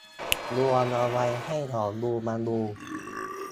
ดวงเอาไว้ให้หมอดูมาดู